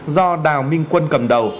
do đào minh quân cầm đầu